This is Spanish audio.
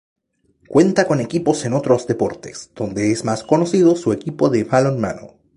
Cuenta con equipos en otros deportes, donde es más conocido su equipo de balonmano.